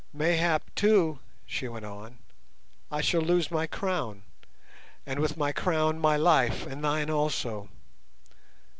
"Mayhap, too," she went on, "I shall lose my crown, and with my crown my life and thine also.